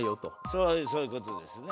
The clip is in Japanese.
そうそういう事ですね。